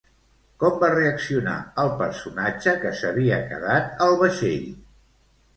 Com va reaccionar el personatge que s'havia quedat al vaixell?